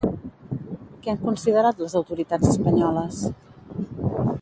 Què han considerat les autoritats espanyoles?